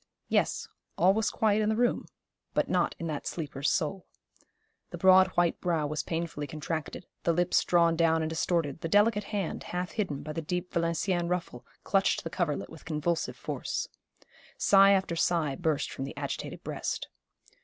Yes, all was quiet in the room, but not in that sleeper's soul. The broad white brow was painfully contracted, the lips drawn down and distorted, the delicate hand, half hidden by the deep Valenciennes ruffle, clutched the coverlet with convulsive force. Sigh after sigh burst from the agitated breast.